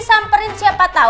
samperin siapa tau